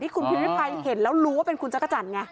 คุณพิมริภัยเห็นแล้วรู้ว่าเป็นคุณจักรจันทร์ไง